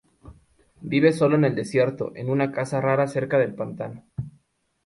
Vive sólo en el desierto, en una casa rara cerca del pantano.